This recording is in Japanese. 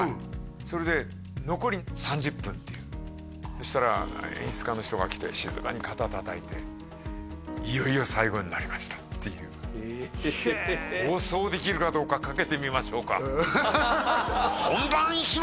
それで残り３０分っていうそしたら演出家の人が来て静かに肩叩いて「いよいよ最後になりました」っていう「放送できるかどうか賭けてみましょうか」